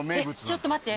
ちょっと待って。